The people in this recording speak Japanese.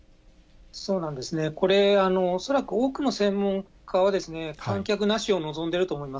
そうなんですね、これ、恐らく多くの専門家は、観客なしを望んでいると思います。